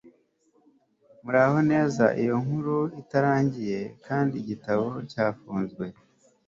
muraho neza iyo inkuru itarangiye kandi igitabo cyafunzwe